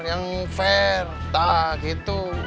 yang fair tak gitu